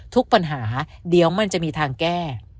ทุกปัญหาเดี๋ยวมันจะมีทางแก้